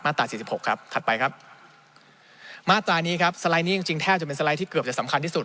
ตราสี่สิบหกครับถัดไปครับมาตรานี้ครับสไลด์นี้จริงจริงแทบจะเป็นสไลด์ที่เกือบจะสำคัญที่สุด